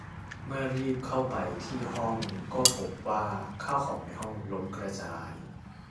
เมื่อรีบเข้าไปที่ห้องก็พบว่าข้าวของในห้องล้มกระจาย